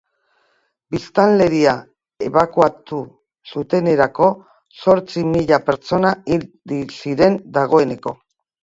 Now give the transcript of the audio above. Biztanleria ebakuatu zutenerako zortzi mila pertsona hil ziren dagoeneko.